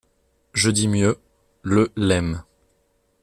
Je dis mieux, le l'aime.